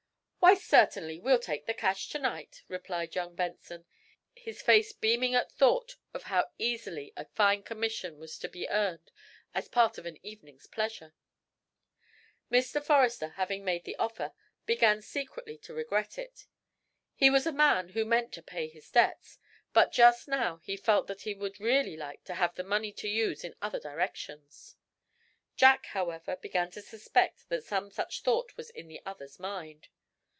"Why, certainly we'll take the cash, to night," replied young Benson, his face beaming at thought of how easily a fine commission was to be earned as part of an evening's pleasure. Mr. Forrester, having made the offer, began secretly to regret it. He was a man who meant to pay his debts, but just now he felt that he would really like to have the money to use in other directions. Jack, however; began to suspect that some such thought was in the other's mind.